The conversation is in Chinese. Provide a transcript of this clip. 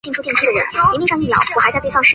该物种的模式产地在甘肃临潭。